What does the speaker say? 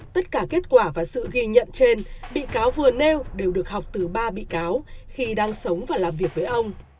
tất cả kết quả và sự ghi nhận trên bị cáo vừa nêu đều được học từ ba bị cáo khi đang sống và làm việc với ông